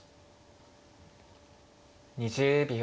２０秒。